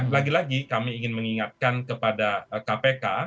lagi lagi kami ingin mengingatkan kepada kpk